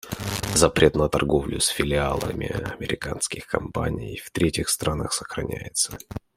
Запрет на торговлю с филиалами американских компаний в третьих странах сохраняется.